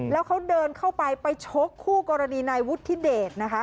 แล้วเขาเดินเข้าไปไปชกคู่กรณีนายวุฒิเดชนะคะ